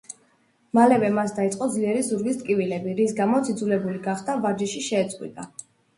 მალევე მას დაეწყო ძლიერი ზურგის ტკივილები, რის გამოც იძულებული გახდა ვარჯიში შეეწყვიტა.